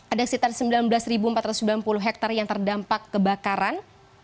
ada sekitar sembilan belas empat ratus sembilan puluh hektare yang terdampak kebakaran